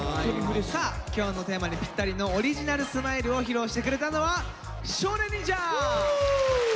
さあ今日のテーマにぴったりの「オリジナルスマイル」を披露してくれたのは少年忍者！